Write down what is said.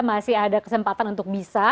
masih ada kesempatan untuk bisa